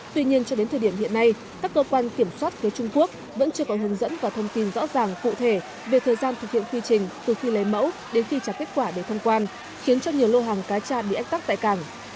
tuy nhiên cho đến thời điểm hiện nay các cơ quan kiểm soát phía trung quốc vẫn chưa có hướng dẫn và thông tin rõ ràng cụ thể về thời gian thực hiện quy trình từ khi lấy mẫu đến khi trả kết quả để thông quan khiến cho nhiều lô hàng cá tra bị ách tắc tại cảng